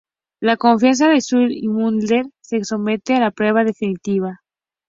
La confianza de Scully en Mulder se somete a la prueba definitiva.